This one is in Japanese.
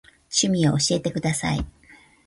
趣味を教えてください。